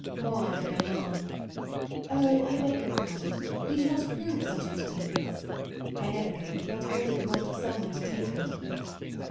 Maude ran on :" Oh, I beg your pardon, you do not approve of such entertainments. I never go, but only for want of some one to take me."